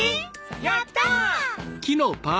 やった！